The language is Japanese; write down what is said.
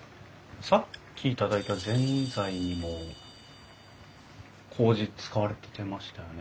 さっき頂いたぜんざいにもこうじ使われてましたよね？